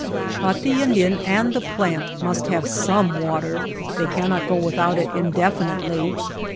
But the Indian and the plant must have some water. They cannot go without it indefinitely.